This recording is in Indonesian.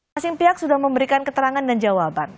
masing pihak sudah memberikan keterangan dan jawaban